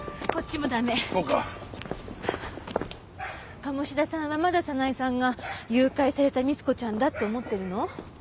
鴨志田さんはまだ早苗さんが誘拐された光子ちゃんだって思ってるの？